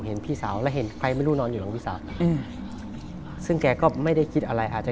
เห็นพี่สาวแล้วเห็นใครไม่รู้นอนอยู่หลังพี่สาว